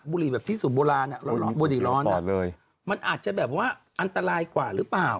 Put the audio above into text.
บุหรี่แบบที่สุดโบราณบุหรี่ร้อนมันอาจจะแบบว่าอันตรายกว่าหรือเปล่า